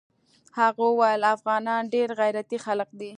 هغه ويل افغانان ډېر غيرتي خلق دي.